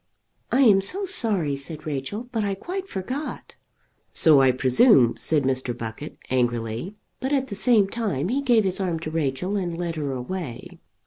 "I am so sorry," said Rachel, "but I quite forgot." "So I presume," said Mr. Buckett angrily, but at the same time he gave his arm to Rachel and led her away.